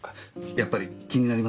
やっぱり気になります？